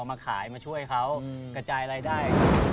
มาขายมาช่วยเขากระจายรายได้